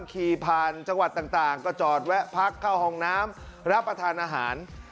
ขี่ผ่านจังหวัดต่างก็จอดแวะพักเข้าห้องน้ำรับประทานอาหาร